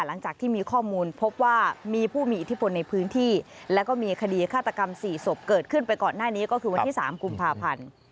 หลังจากที่มีข้อมูลพบว่ามีผู้มีอิทธิพลในพื้นที่แล้วก็มีคดีฆาตกรรม๔ศพเกิดขึ้นไปก่อนหน้านี้ก็คือวันที่๓กุมภาพันธ์